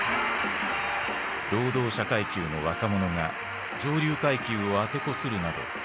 労働者階級の若者が上流階級をあてこするなど前代未聞だった。